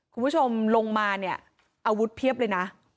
คุณผู้ชมลงมาเนี่ยอาวุธเพียบเลยนะ